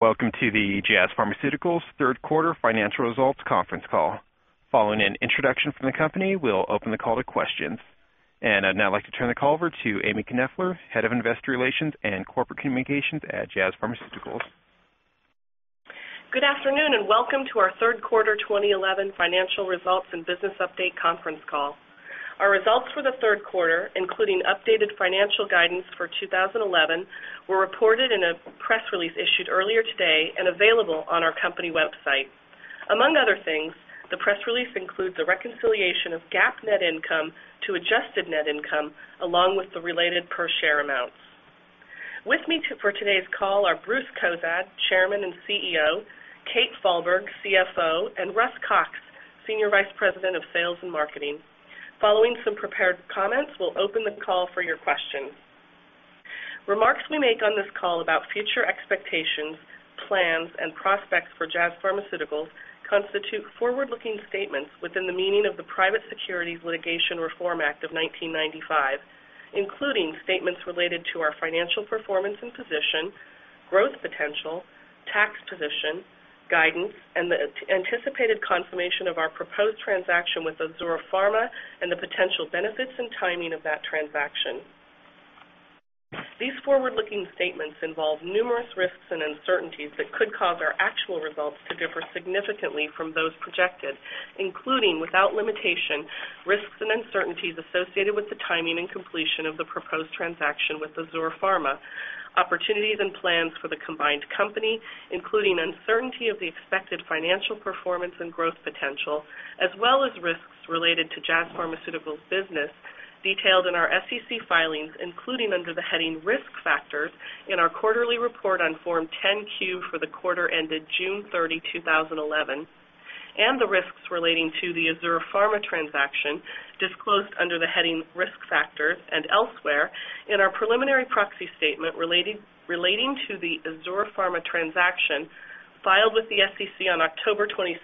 Welcome to the Jazz Pharmaceuticals third quarter financial results conference call. Following an introduction from the company, we'll open the call to questions. I'd now like to turn the call over to Amy Knoepfler, Head of Investor Relations and Corporate Communications at Jazz Pharmaceuticals. Good afternoon, and welcome to our third quarter 2011 financial results and business update conference call. Our results for the third quarter, including updated financial guidance for 2011, were reported in a press release issued earlier today and available on our company website. Among other things, the press release includes a reconciliation of GAAP net income to adjusted net income, along with the related per share amounts. With me for today's call are Bruce Cozadd, Chairman and CEO, Kathryn Falberg, CFO, and Russell Cox, Senior Vice President of Sales and Marketing. Following some prepared comments, we'll open the call for your questions. Remarks we make on this call about future expectations, plans, and prospects for Jazz Pharmaceuticals constitute forward-looking statements within the meaning of the Private Securities Litigation Reform Act of 1995, including statements related to our financial performance and position, growth potential, tax position, guidance, and the anticipated confirmation of our proposed transaction with Azur Pharma and the potential benefits and timing of that transaction. These forward-looking statements involve numerous risks and uncertainties that could cause our actual results to differ significantly from those projected, including, without limitation, risks and uncertainties associated with the timing and completion of the proposed transaction with Azur Pharma, opportunities and plans for the combined company, including uncertainty of the expected financial performance and growth potential, as well as risks related to Jazz Pharmaceuticals business detailed in our SEC filings, including under the heading Risk Factors in our quarterly report on Form 10-Q for the quarter ended June 30, 2011, and the risks relating to the Azur Pharma transaction disclosed under the heading Risk Factors and elsewhere in our preliminary proxy statement relating to the Azur Pharma transaction filed with the SEC on October 26,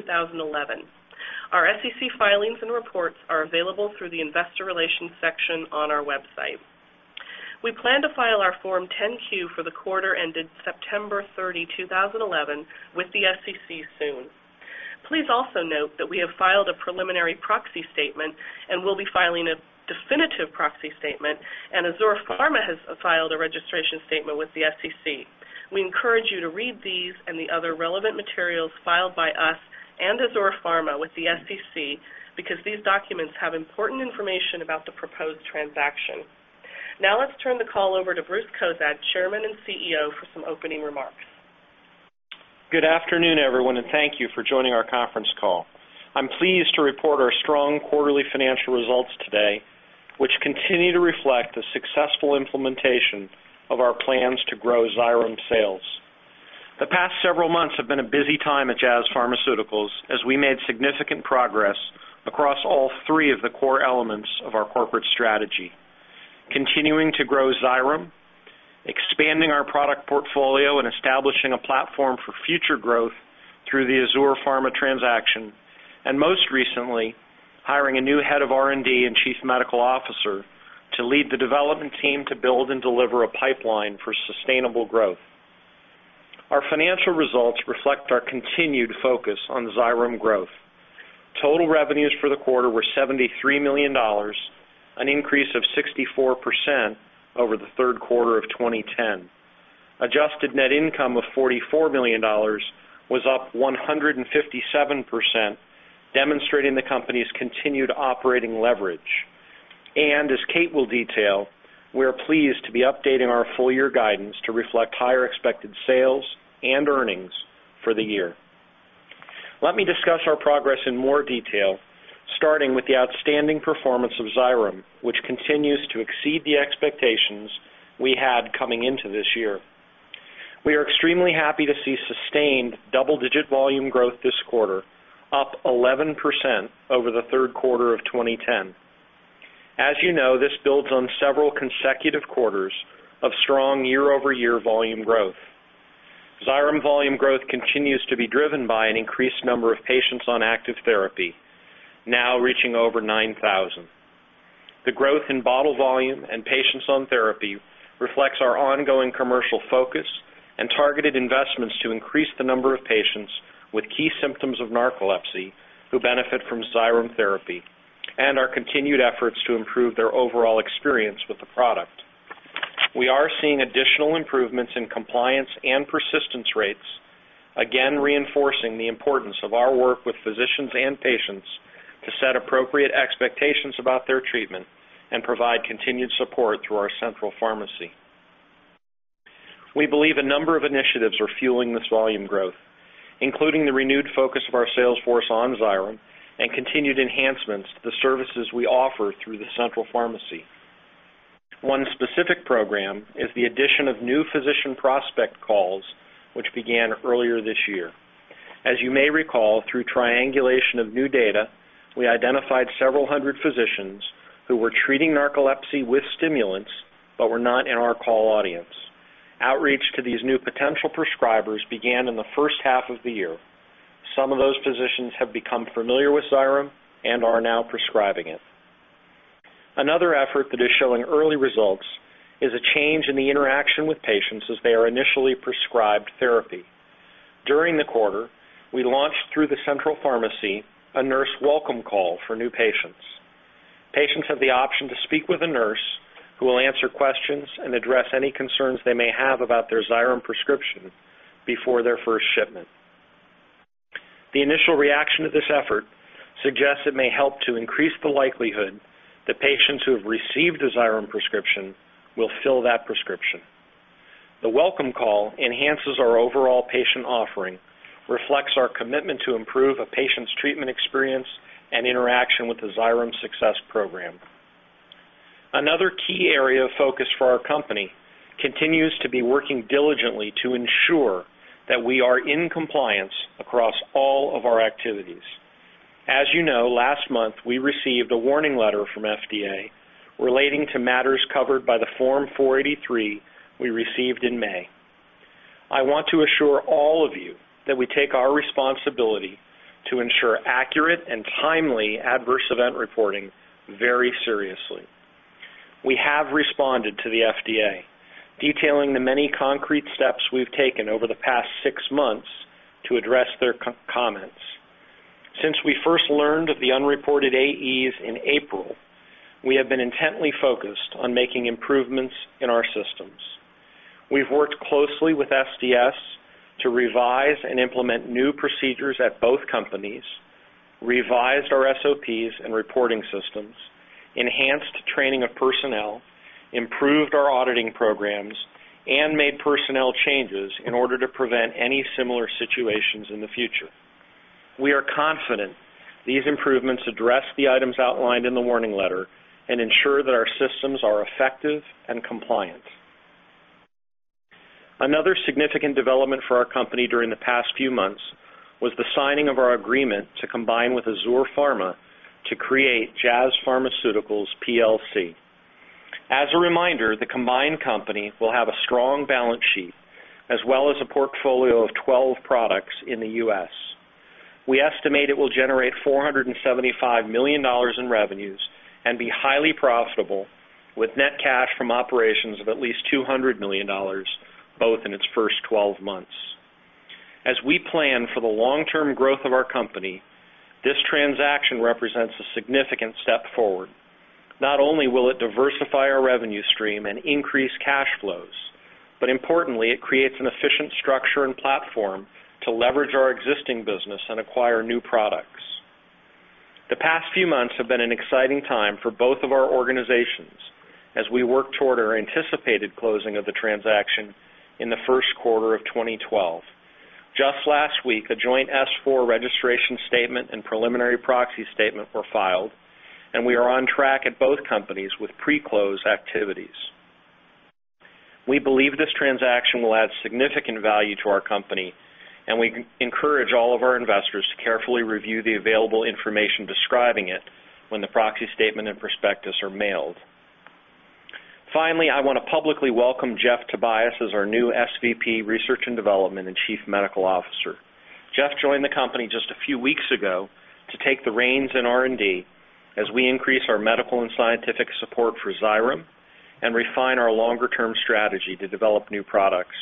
2011. Our SEC filings and reports are available through the Investor Relations section on our website. We plan to file our Form 10-Q for the quarter ended September 30, 2011 with the SEC soon. Please also note that we have filed a preliminary proxy statement, and we'll be filing a definitive proxy statement, and Azur Pharma has filed a registration statement with the SEC. We encourage you to read these and the other relevant materials filed by us and Azur Pharma with the SEC because these documents have important information about the proposed transaction. Now let's turn the call over to Bruce Cozadd, Chairman and CEO, for some opening remarks. Good afternoon, everyone, and thank you for joining our conference call. I'm pleased to report our strong quarterly financial results today, which continue to reflect the successful implementation of our plans to grow Xyrem sales. The past several months have been a busy time at Jazz Pharmaceuticals as we made significant progress across all three of the core elements of our corporate strategy. Continuing to grow Xyrem, expanding our product portfolio and establishing a platform for future growth through the Azur Pharma transaction, and most recently, hiring a new head of R&D and Chief Medical Officer to lead the development team to build and deliver a pipeline for sustainable growth. Our financial results reflect our continued focus on Xyrem growth. Total revenues for the quarter were $73 million, an increase of 64% over the third quarter of 2010. Adjusted net income of $44 million was up 157%, demonstrating the company's continued operating leverage. As Kate will detail, we are pleased to be updating our full year guidance to reflect higher expected sales and earnings for the year. Let me discuss our progress in more detail, starting with the outstanding performance of Xyrem, which continues to exceed the expectations we had coming into this year. We are extremely happy to see sustained double-digit volume growth this quarter, up 11% over the third quarter of 2010. As you know, this builds on several consecutive quarters of strong year-over-year volume growth. Xyrem volume growth continues to be driven by an increased number of patients on active therapy, now reaching over 9,000. The growth in bottle volume and patients on therapy reflects our ongoing commercial focus and targeted investments to increase the number of patients with key symptoms of narcolepsy who benefit from Xyrem therapy and our continued efforts to improve their overall experience with the product. We are seeing additional improvements in compliance and persistence rates, again reinforcing the importance of our work with physicians and patients to set appropriate expectations about their treatment and provide continued support through our central pharmacy. We believe a number of initiatives are fueling this volume growth, including the renewed focus of our sales force on Xyrem and continued enhancements to the services we offer through the central pharmacy. One specific program is the addition of new physician prospect calls, which began earlier this year. As you may recall, through triangulation of new data, we identified several hundred physicians who were treating narcolepsy with stimulants but were not in our call audience. Outreach to these new potential prescribers began in the first half of the year. Some of those physicians have become familiar with Xyrem and are now prescribing it. Another effort that is showing early results is a change in the interaction with patients as they are initially prescribed therapy. During the quarter, we launched through the central pharmacy a nurse welcome call for new patients. Patients have the option to speak with a nurse who will answer questions and address any concerns they may have about their Xyrem prescription before their first shipment. The initial reaction to this effort suggests it may help to increase the likelihood that patients who have received a Xyrem prescription will fill that prescription. The welcome call enhances our overall patient offering, reflects our commitment to improve a patient's treatment experience and interaction with the Xyrem Success Program. Another key area of focus for our company continues to be working diligently to ensure that we are in compliance across all of our activities. As you know, last month, we received a warning letter from FDA relating to matters covered by the Form 483 we received in May. I want to assure all of you that we take our responsibility to ensure accurate and timely adverse event reporting very seriously. We have responded to the FDA detailing the many concrete steps we've taken over the past 6 months to address their comments. Since we first learned of the unreported AEs in April, we have been intently focused on making improvements in our systems. We've worked closely with SDS to revise and implement new procedures at both companies, revised our SOPs and reporting systems, enhanced training of personnel, improved our auditing programs, and made personnel changes in order to prevent any similar situations in the future. We are confident these improvements address the items outlined in the warning letter and ensure that our systems are effective and compliant. Another significant development for our company during the past few months was the signing of our agreement to combine with Azur Pharma to create Jazz Pharmaceuticals plc. As a reminder, the combined company will have a strong balance sheet as well as a portfolio of 12 products in the US. We estimate it will generate $475 million in revenues and be highly profitable with net cash from operations of at least $200 million, both in its first 12 months. As we plan for the long-term growth of our company, this transaction represents a significant step forward. Not only will it diversify our revenue stream and increase cash flows, but importantly, it creates an efficient structure and platform to leverage our existing business and acquire new products. The past few months have been an exciting time for both of our organizations as we work toward our anticipated closing of the transaction in the first quarter of 2012. Just last week, a joint S-4 registration statement and preliminary proxy statement were filed, and we are on track at both companies with pre-close activities. We believe this transaction will add significant value to our company, and we encourage all of our investors to carefully review the available information describing it when the proxy statement and prospectus are mailed. Finally, I wanna publicly welcome Jeff Tobias as our new SVP, Research and Development, and Chief Medical Officer. Jeff joined the company just a few weeks ago to take the reins in R&D as we increase our medical and scientific support for Xyrem and refine our longer-term strategy to develop new products.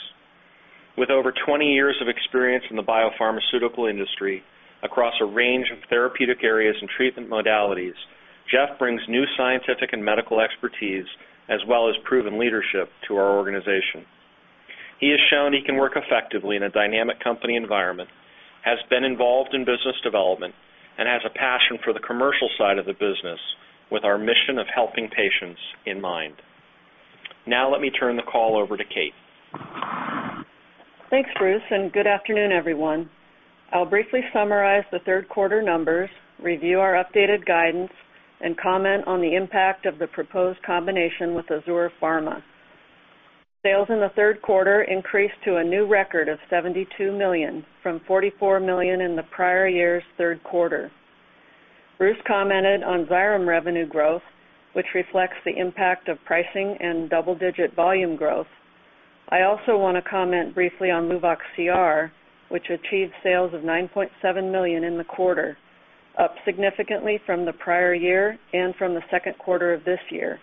With over 20 years of experience in the biopharmaceutical industry across a range of therapeutic areas and treatment modalities, Jeff brings new scientific and medical expertise as well as proven leadership to our organization. He has shown he can work effectively in a dynamic company environment, has been involved in business development, and has a passion for the commercial side of the business with our mission of helping patients in mind. Now let me turn the call over to Kate. Thanks, Bruce, and good afternoon, everyone. I'll briefly summarize the third quarter numbers, review our updated guidance, and comment on the impact of the proposed combination with Azur Pharma. Sales in the third quarter increased to a new record of $72 million from $44 million in the prior year's third quarter. Bruce commented on Xyrem revenue growth, which reflects the impact of pricing and double-digit volume growth. I also wanna comment briefly on Luvox CR, which achieved sales of $9.7 million in the quarter, up significantly from the prior year and from the second quarter of this year.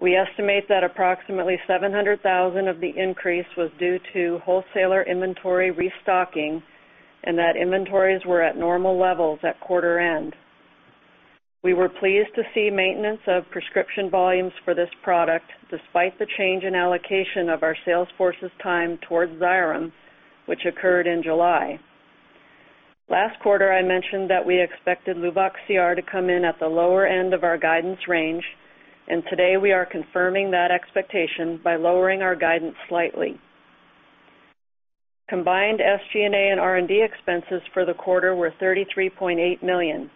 We estimate that approximately $700,000 of the increase was due to wholesaler inventory restocking and that inventories were at normal levels at quarter end. We were pleased to see maintenance of prescription volumes for this product despite the change in allocation of our sales force's time towards Xyrem, which occurred in July. Last quarter, I mentioned that we expected Luvox CR to come in at the lower end of our guidance range, and today we are confirming that expectation by lowering our guidance slightly. Combined SG&A and R&D expenses for the quarter were $33.8 million.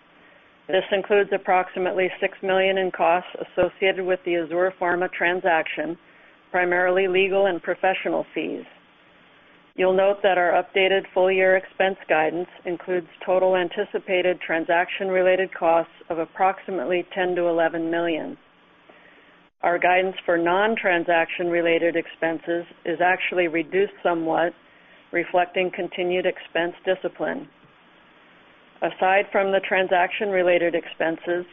This includes approximately $6 million in costs associated with the Azur Pharma transaction, primarily legal and professional fees. You'll note that our updated full-year expense guidance includes total anticipated transaction-related costs of approximately $10 million-$11 million. Our guidance for non-transaction related expenses is actually reduced somewhat, reflecting continued expense discipline. Aside from the transaction-related expenses,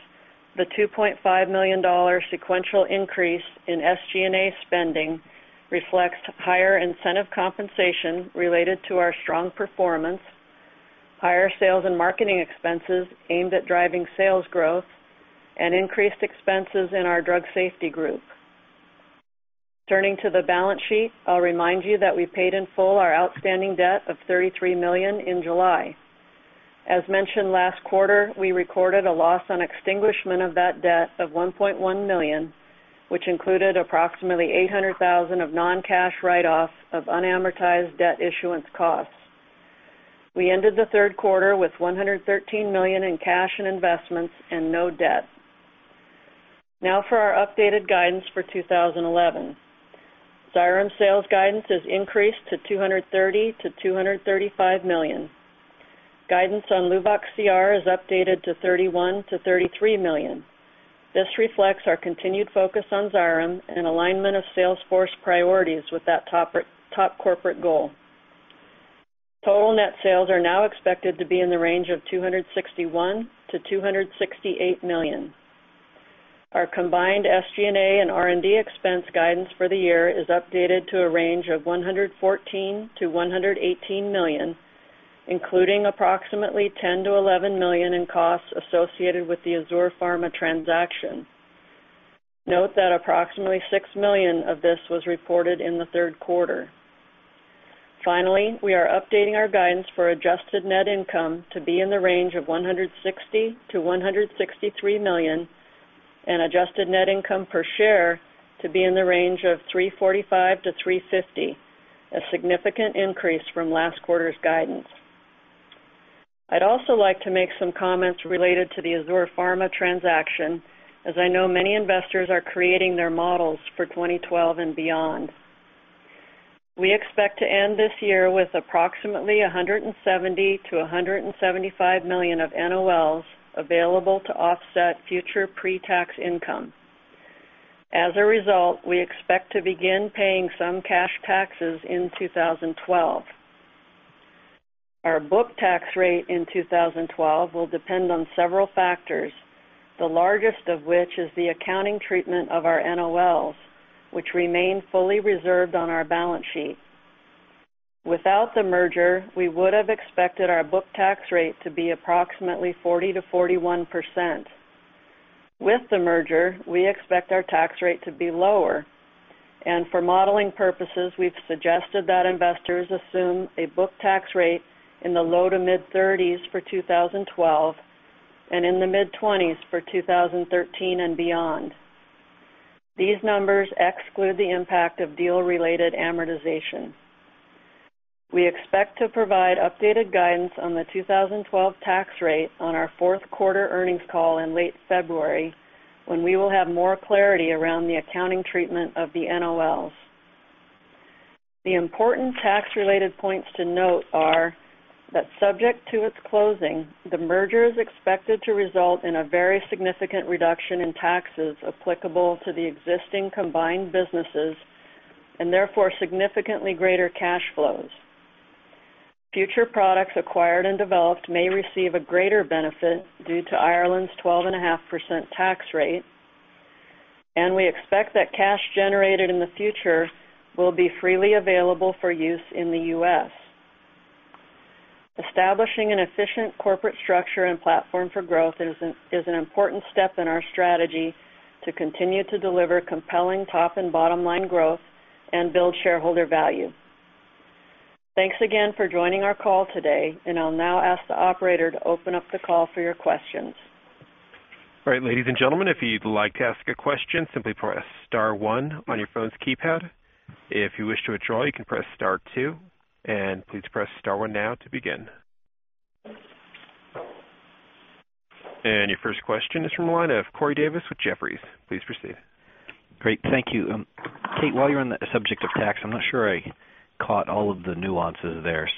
the $2.5 million sequential increase in SG&A spending reflects higher incentive compensation related to our strong performance, higher sales and marketing expenses aimed at driving sales growth, and increased expenses in our drug safety group. Turning to the balance sheet, I'll remind you that we paid in full our outstanding debt of $33 million in July. As mentioned last quarter, we recorded a loss on extinguishment of that debt of $1.1 million, which included approximately $800,000 of non-cash write-off of unamortized debt issuance costs. We ended the third quarter with $113 million in cash and investments and no debt. Now for our updated guidance for 2011. Xyrem sales guidance has increased to $230 million-$235 million. Guidance on Luvox CR is updated to $31 million-$33 million. This reflects our continued focus on Xyrem and alignment of sales force priorities with that top corporate goal. Total net sales are now expected to be in the range of $261 million-$268 million. Our combined SG&A and R&D expense guidance for the year is updated to a range of $114 million-$118 million, including approximately $10 million-$11 million in costs associated with the Azur Pharma transaction. Note that approximately $6 million of this was reported in the third quarter. Finally, we are updating our guidance for adjusted net income to be in the range of $160 million-$163 million and adjusted net income per share to be in the range of $3.45-$3.50, a significant increase from last quarter's guidance. I'd also like to make some comments related to the Azur Pharma transaction, as I know many investors are creating their models for 2012 and beyond. We expect to end this year with approximately 170-175 million of NOLs available to offset future pre-tax income. As a result, we expect to begin paying some cash taxes in 2012. Our book tax rate in 2012 will depend on several factors, the largest of which is the accounting treatment of our NOLs, which remain fully reserved on our balance sheet. Without the merger, we would have expected our book tax rate to be approximately 40%-41%. With the merger, we expect our tax rate to be lower. For modeling purposes, we've suggested that investors assume a book tax rate in the low- to mid-30s% for 2012 and in the mid-20s% for 2013 and beyond. These numbers exclude the impact of deal-related amortization. We expect to provide updated guidance on the 2012 tax rate on our fourth quarter earnings call in late February, when we will have more clarity around the accounting treatment of the NOLs. The important tax-related points to note are that subject to its closing, the merger is expected to result in a very significant reduction in taxes applicable to the existing combined businesses and therefore significantly greater cash flows. Future products acquired and developed may receive a greater benefit due to Ireland's 12.5% tax rate, and we expect that cash generated in the future will be freely available for use in the U.S. Establishing an efficient corporate structure and platform for growth is an important step in our strategy to continue to deliver compelling top and bottom line growth and build shareholder value. Thanks again for joining our call today, and I'll now ask the operator to open up the call for your questions. All right. Ladies and gentlemen, if you'd like to ask a question, simply press star one on your phone's keypad. If you wish to withdraw, you can press star two. Please press star one now to begin. Your first question is from the line of Corey Davis with Jefferies. Please proceed. Great. Thank you. Kate, while you're on the subject of tax, I'm not sure I caught all of the nuances there.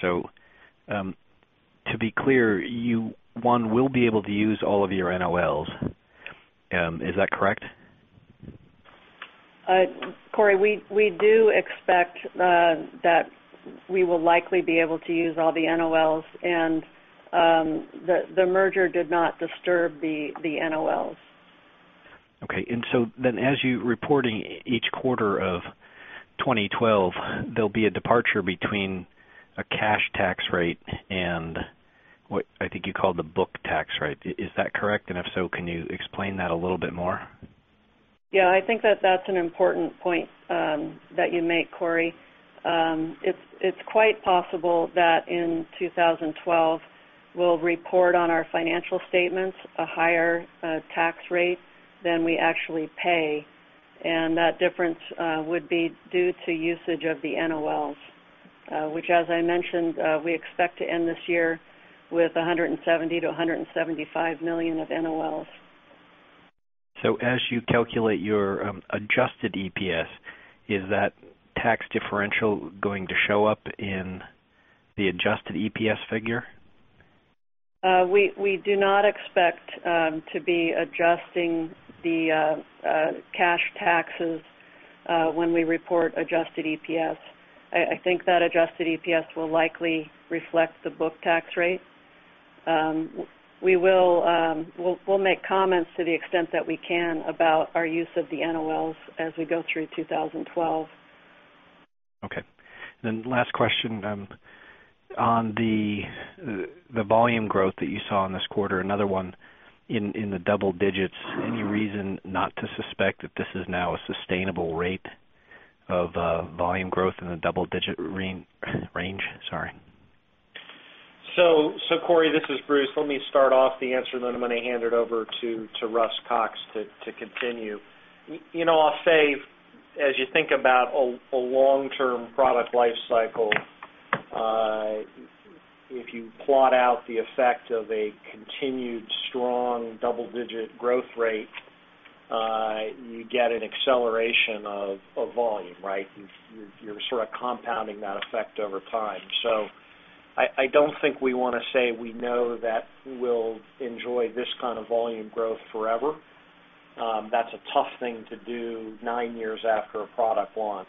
To be clear, you, one, will be able to use all of your NOLs. Is that correct? Corey, we do expect that we will likely be able to use all the NOLs and the merger did not disturb the NOLs. Okay. As you're reporting each quarter of 2012, there'll be a departure between a cash tax rate and what I think you call the book tax rate. Is that correct? If so, can you explain that a little bit more? Yeah, I think that's an important point that you make, Corey. It's quite possible that in 2012, we'll report on our financial statements a higher tax rate than we actually pay, and that difference would be due to usage of the NOLs, which as I mentioned, we expect to end this year with $170 million-$175 million of NOLs. As you calculate your adjusted EPS, is that tax differential going to show up in the adjusted EPS figure? We do not expect to be adjusting the cash taxes when we report adjusted EPS. I think that adjusted EPS will likely reflect the book tax rate. We will make comments to the extent that we can about our use of the NOLs as we go through 2012. Okay. Last question, on the volume growth that you saw in this quarter, another one in the double digits. Any reason not to suspect that this is now a sustainable rate of volume growth in the double-digit range? Sorry. Corey, this is Bruce. Let me start off the answer, then I'm gonna hand it over to Russell Cox to continue. You know, I'll say, as you think about a long-term product life cycle, if you plot out the effect of a continued strong double-digit growth rate, you get an acceleration of volume, right? You're sort of compounding that effect over time. I don't think we wanna say we know that we'll enjoy this kind of volume growth forever. That's a tough thing to do nine years after a product launch.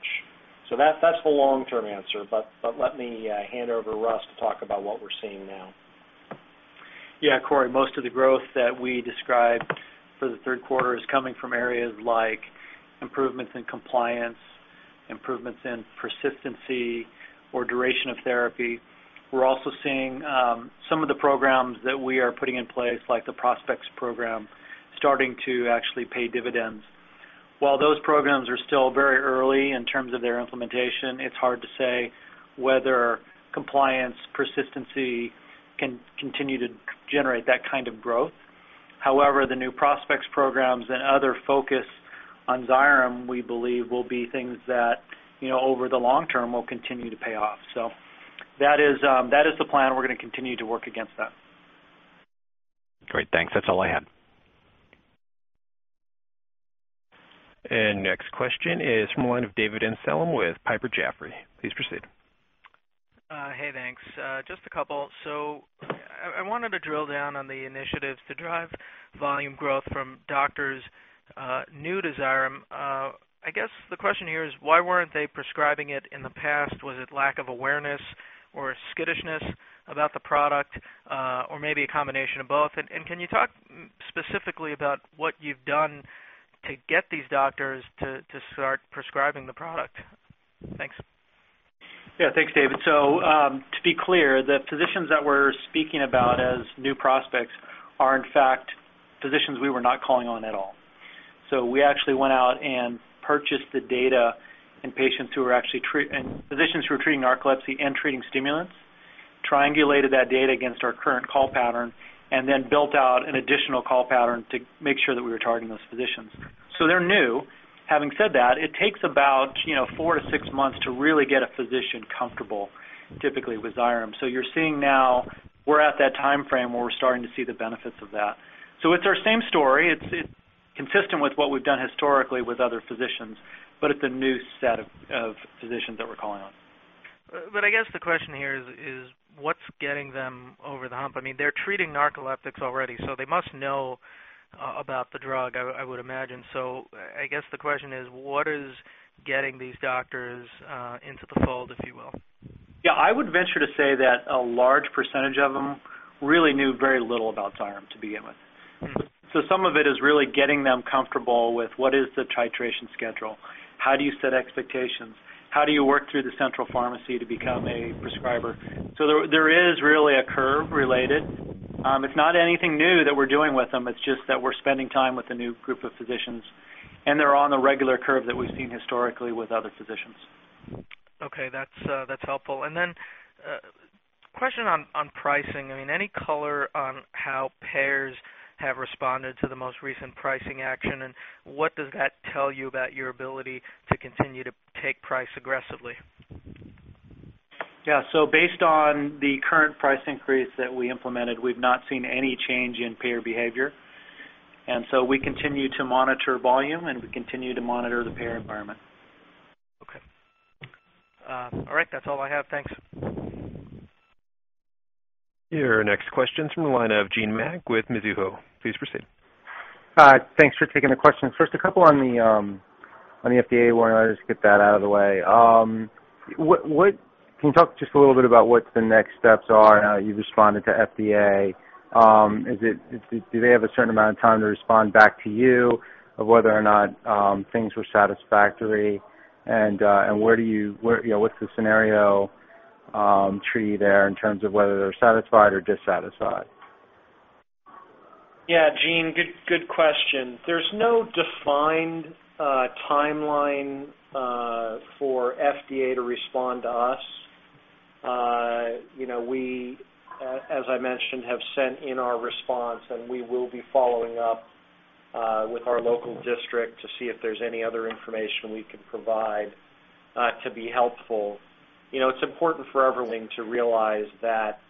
That's the long-term answer, but let me hand over to Russ to talk about what we're seeing now. Yeah, Corey, most of the growth that we described for the third quarter is coming from areas like improvements in compliance, improvements in persistency or duration of therapy. We're also seeing some of the programs that we are putting in place, like the Success program, starting to actually pay dividends. While those programs are still very early in terms of their implementation, it's hard to say whether compliance persistency can continue to generate that kind of growth. However, the new Success programs and other focus on Xyrem, we believe will be things that, you know, over the long term, will continue to pay off. That is the plan, and we're gonna continue to work against that. Great. Thanks. That's all I had. Next question is from the line of David Amsellem with Piper Jaffray. Please proceed. Hey, thanks. Just a couple. I wanted to drill down on the initiatives to drive volume growth from doctors new to Xyrem. I guess the question here is, why weren't they prescribing it in the past? Was it lack of awareness or skittishness about the product, or maybe a combination of both? Can you talk more specifically about what you've done to get these doctors to start prescribing the product? Thanks. Yeah. Thanks, David. To be clear, the physicians that we're speaking about as new prospects are in fact physicians we were not calling on at all. We actually went out and purchased the data on patients who were actually treated by physicians who were treating narcolepsy and treating stimulants, triangulated that data against our current call pattern, and then built out an additional call pattern to make sure that we were targeting those physicians. They're new. Having said that, it takes about, you know, 4-6 months to really get a physician comfortable typically with Xyrem. You're seeing, now we're at that timeframe where we're starting to see the benefits of that. It's our same story. It's consistent with what we've done historically with other physicians, but it's a new set of physicians that we're calling on. I guess the question here is, what's getting them over the hump? I mean, they're treating narcoleptics already, so they must know about the drug, I would imagine. I guess the question is, what is getting these doctors into the fold, if you will? Yeah. I would venture to say that a large percentage of them really knew very little about Xyrem to begin with. Some of it is really getting them comfortable with what is the titration schedule, how do you set expectations, how do you work through the central pharmacy to become a prescriber? There is really a learning curve. It's not anything new that we're doing with them, it's just that we're spending time with a new group of physicians, and they're on the regular curve that we've seen historically with other physicians. Okay. That's helpful. Question on pricing. I mean, any color on how payers have responded to the most recent pricing action, and what does that tell you about your ability to continue to take price aggressively? Yeah. Based on the current price increase that we implemented, we've not seen any change in payer behavior. We continue to monitor volume, and we continue to monitor the payer environment. Okay. All right. That's all I have. Thanks. Your next question's from the line of Gene Mack with Mizuho. Please proceed. Thanks for taking the questions. First, a couple on the FDA warning letter. Just get that out of the way. Can you talk just a little bit about what the next steps are and how you've responded to FDA? Do they have a certain amount of time to respond back to you of whether or not things were satisfactory? Where you know, what's the scenario tree there in terms of whether they're satisfied or dissatisfied? Yeah. Gene, good question. There's no defined timeline for FDA to respond to us. You know, as I mentioned, we have sent in our response, and we will be following up with our local district to see if there's any other information we can provide to be helpful. You know, it's important for everyone to realize that,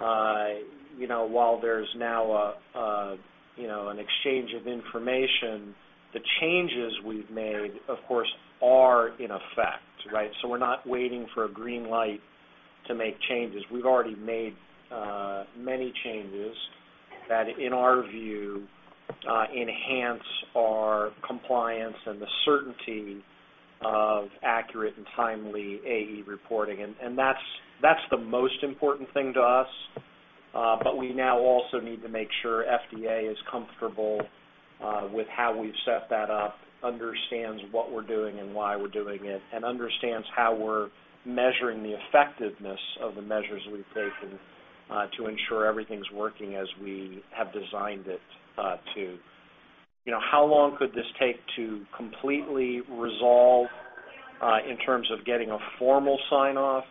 you know, while there's now an exchange of information, the changes we've made, of course, are in effect, right? We're not waiting for a green light to make changes. We've already made many changes. That in our view enhance our compliance and the certainty of accurate and timely AE reporting. That's the most important thing to us. We now also need to make sure FDA is comfortable with how we've set that up, understands what we're doing and why we're doing it, and understands how we're measuring the effectiveness of the measures we've taken to ensure everything's working as we have designed it to. You know, how long could this take to completely resolve in terms of getting a formal sign-off?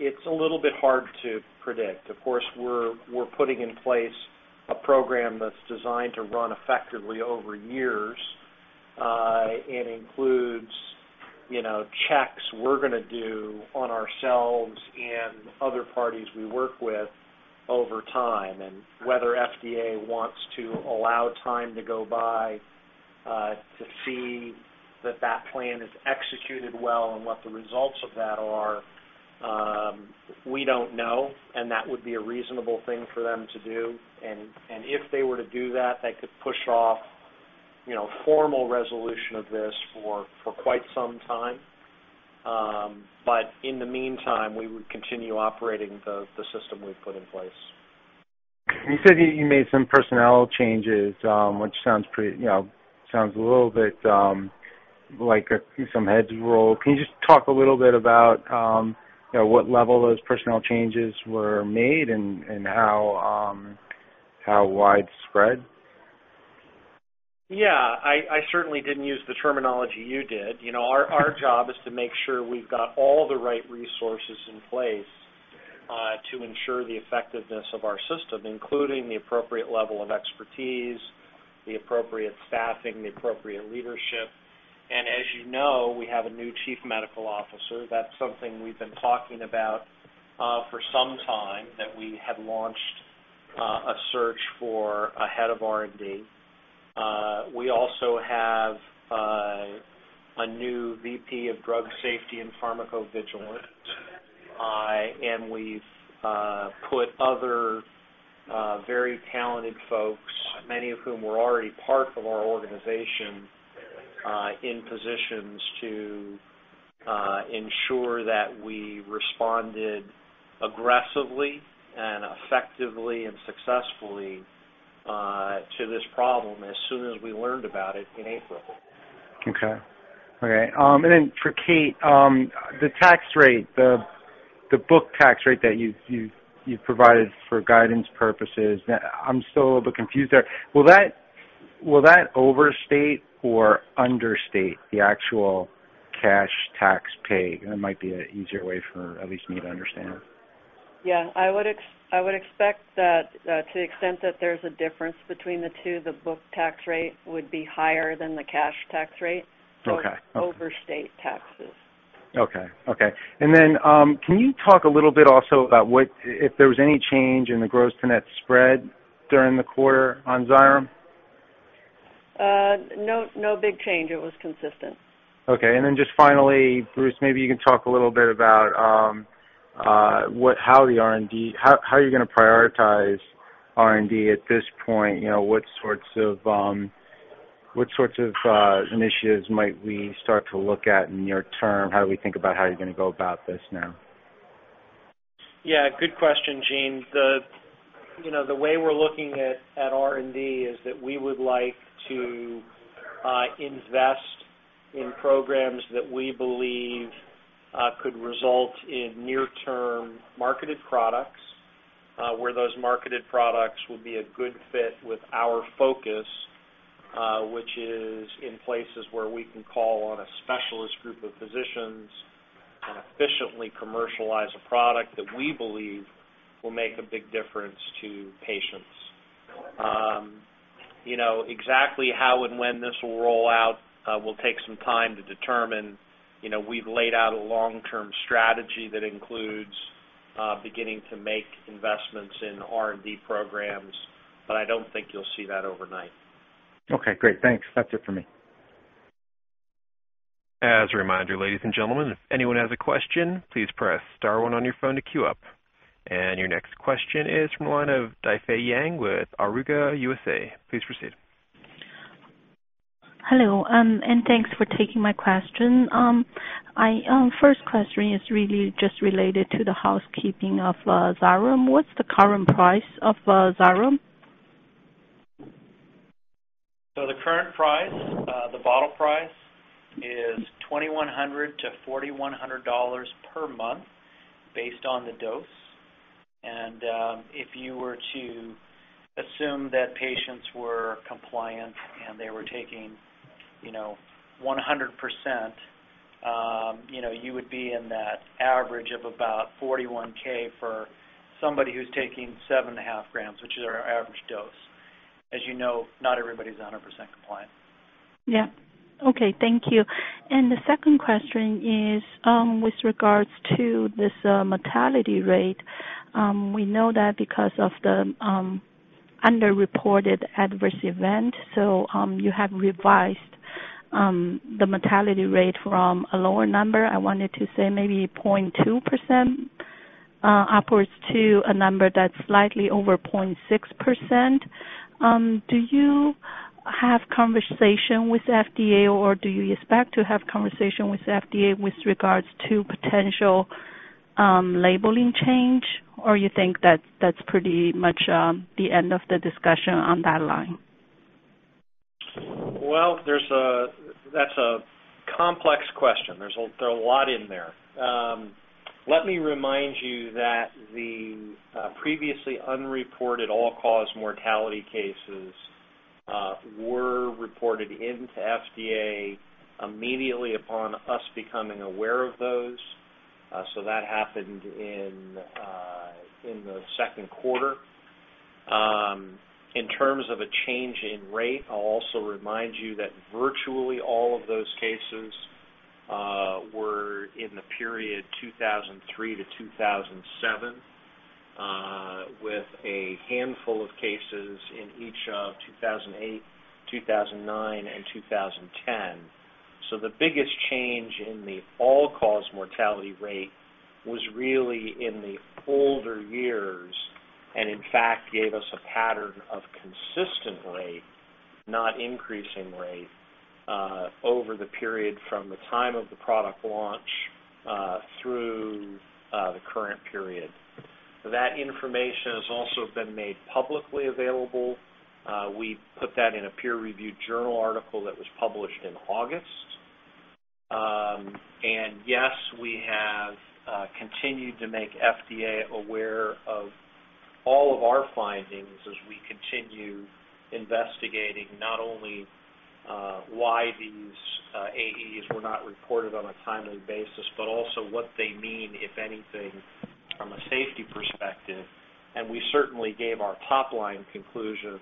It's a little bit hard to predict. Of course, we're putting in place a program that's designed to run effectively over years. It includes, you know, checks we're gonna do on ourselves and other parties we work with over time. Whether FDA wants to allow time to go by to see that plan is executed well, and what the results of that are, we don't know, and that would be a reasonable thing for them to do. If they were to do that could push off, you know, formal resolution of this for quite some time. In the meantime, we would continue operating the system we've put in place. You said that you made some personnel changes, which sounds pretty, you know, a little bit like some heads roll. Can you just talk a little bit about, you know, what level those personnel changes were made and how widespread? Yeah, I certainly didn't use the terminology you did. You know, our job is to make sure we've got all the right resources in place to ensure the effectiveness of our system, including the appropriate level of expertise, the appropriate staffing, the appropriate leadership. As you know, we have a new Chief Medical Officer. That's something we've been talking about for some time that we have launched a search for a head of R&D. We also have a new VP of Drug Safety and Pharmacovigilance. We've put other very talented folks, many of whom were already part of our organization, in positions to ensure that we responded aggressively and effectively and successfully to this problem as soon as we learned about it in April. Okay. All right. For Kate, the tax rate, the book tax rate that you've provided for guidance purposes, I'm still a little bit confused there. Will that overstate or understate the actual cash tax paid? That might be an easier way for at least me to understand. Yeah. I would expect that, to the extent that there's a difference between the two, the book tax rate would be higher than the cash tax rate. Okay. Overstate taxes. Okay. Can you talk a little bit also about what if there was any change in the gross-to-net spread during the quarter on Xyrem? No, no big change. It was consistent. Okay. Just finally, Bruce, maybe you can talk a little bit about how are you gonna prioritize R&D at this point? You know, what sorts of initiatives might we start to look at near term? How do we think about how you're gonna go about this now? Yeah, good question, Gene. You know, the way we're looking at R&D is that we would like to invest in programs that we believe could result in near-term marketed products, where those marketed products would be a good fit with our focus, which is in places where we can call on a specialist group of physicians and efficiently commercialize a product that we believe will make a big difference to patients. You know, exactly how and when this will roll out will take some time to determine. You know, we've laid out a long-term strategy that includes beginning to make investments in R&D programs, but I don't think you'll see that overnight. Okay, great. Thanks. That's it for me. As a reminder, ladies and gentlemen, if anyone has a question, please press star one on your phone to queue up. Your next question is from the line of Daifei Yang with Aequitas USA. Please proceed. Hello, and thanks for taking my question. First question is really just related to the housekeeping of Xyrem. What's the current price of Xyrem? The current price, the bottle price is $2,100-$4,100 per month based on the dose. If you were to assume that patients were compliant and they were taking, you know, 100%, you know, you would be in that average of about $41,000 for somebody who's taking 7.5 grams, which is our average dose. As you know, not everybody is 100% compliant. Yeah. Okay. Thank you. The second question is, with regards to this mortality rate. We know that because of the underreported adverse event, so you have revised the mortality rate from a lower number, I wanted to say maybe 0.2%, upwards to a number that's slightly over 0.6%. Do you have conversation with FDA, or do you expect to have conversation with FDA with regards to potential labeling change, or you think that's pretty much the end of the discussion on that line? Well, that's a complex question. There are a lot in there. Let me remind you that the previously unreported all-cause mortality cases were reported to the FDA immediately upon us becoming aware of those. So that happened in the second quarter. In terms of a change in rate, I'll also remind you that virtually all of those cases were in the period 2003 to 2007, with a handful of cases in each of 2008, 2009, and 2010. So the biggest change in the all-cause mortality rate was really in the older years, and in fact gave us a pattern of consistent rate, not increasing rate, over the period from the time of the product launch through the current period. That information has also been made publicly available. We put that in a peer review journal article that was published in August. Yes, we have continued to make FDA aware of all of our findings as we continue investigating not only why these AEs were not reported on a timely basis, but also what they mean, if anything, from a safety perspective. We certainly gave our top-line conclusions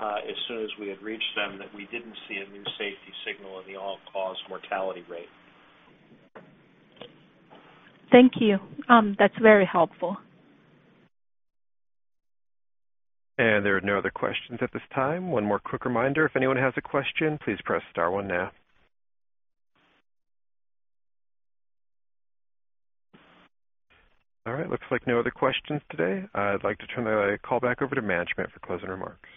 as soon as we had reached them, that we didn't see a new safety signal in the all-cause mortality rate. Thank you. That's very helpful. There are no other questions at this time. One more quick reminder, if anyone has a question, please press star one now. All right. Looks like no other questions today. I'd like to turn the call back over to management for closing remarks.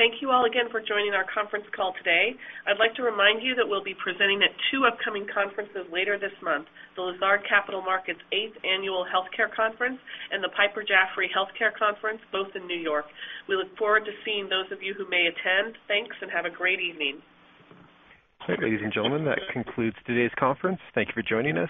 Thank you all again for joining our conference call today. I'd like to remind you that we'll be presenting at two upcoming conferences later this month, the Lazard Capital Markets eighth Annual Healthcare Conference and the Piper Jaffray Healthcare Conference, both in New York. We look forward to seeing those of you who may attend. Thanks, and have a great evening. Okay, ladies and gentlemen, that concludes today's conference. Thank you for joining us.